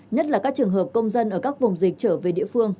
nhất là các trường hợp công dân ở các vùng dịch trở về địa phương